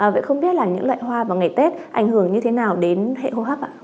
vậy không biết là những loại hoa vào ngày tết ảnh hưởng như thế nào đến hệ hô hấp ạ